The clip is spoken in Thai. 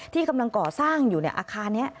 ที่กำลังก่อสร้างอยู่ในอาคารนี้